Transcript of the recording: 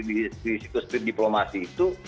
di situ street diplomasi itu